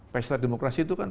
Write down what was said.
pesta demokrasi itu kan